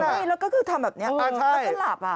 พี่ปุ๊ยแล้วก็คือทำแบบนี้แล้วฉันก็หลับอ่ะ